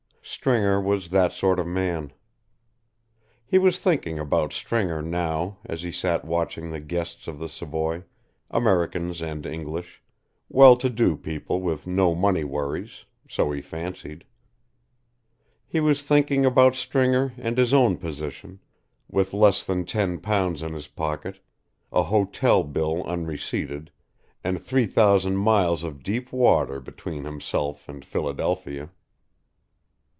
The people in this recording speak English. Stringer was that sort of man. He was thinking about Stringer now, as he sat watching the guests of the Savoy, Americans and English, well to do people with no money worries, so he fancied. He was thinking about Stringer and his own position, with less than ten pounds in his pocket, an hotel bill unreceipted, and three thousand miles of deep water between himself and Philadelphia.